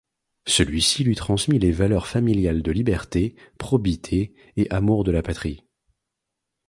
Celui-ci lui transmit les valeurs familiales de liberté, probité et amour de la Patrie.